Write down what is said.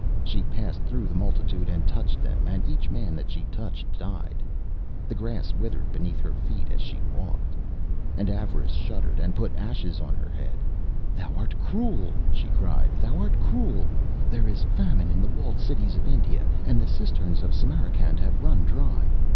She passed through the multitude, and touched them, and each man that she touched died. The grass withered beneath her feet as she walked. And Avarice shuddered, and put ashes on her head. 'Thou art cruel,' she cried; 'thou art cruel. There is famine in the walled cities of India, and the cisterns of Samarcand have run dry.